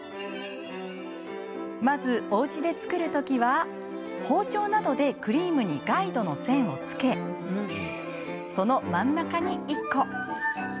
まずおうちで作る時は包丁などでクリームにガイドの線をつけその真ん中に１個。